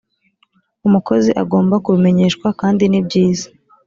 umukozi agomba kubimenyeshwa kandi nibyiza